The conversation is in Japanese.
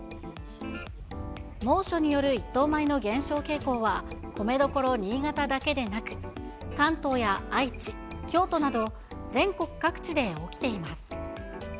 猛暑による一等米の減少傾向は、米どころ新潟だけでなく、関東や愛知、京都など、全国各地で起きています。